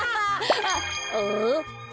あっ？